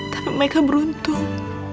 tapi mereka beruntung